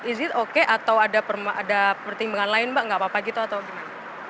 is it oke atau ada pertimbangan lain mbak nggak apa apa gitu atau gimana